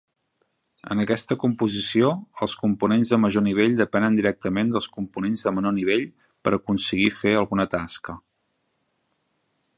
En aquesta composició, els components de major nivell depenen directament dels components de menor nivell per aconseguir fer alguna tasca.